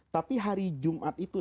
tapi hari jumat itu